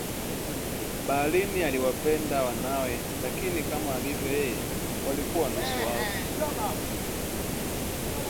baharini Aliwapenda wanawe lakini kama alivyo yeye walikuwa nusu wafu